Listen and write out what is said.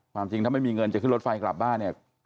จริงถ้าไม่มีเงินจะขึ้นรถไฟกลับบ้านเนี่ย